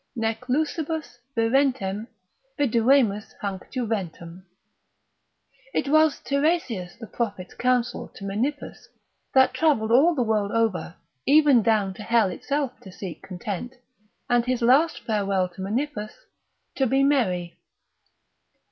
Nec lusibus virentem Viduemus hanc juventam. It was Tiresias the prophet's council to Menippus, that travelled all the world over, even down to hell itself to seek content, and his last farewell to Menippus, to be merry.